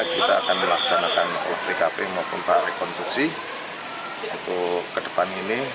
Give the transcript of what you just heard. kita akan melaksanakan otkp maupun perekonstruksi ke depan ini